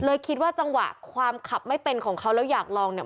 คิดว่าจังหวะความขับไม่เป็นของเขาแล้วอยากลองเนี่ย